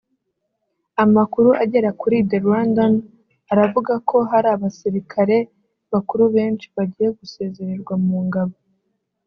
Amakuru agera kuri The Rwandan aravuga ko hari abasirikare bakuru benshi bagiye gusezererwa mu ngabo